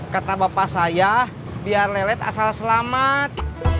kata bapak saya biar lelet asal selamat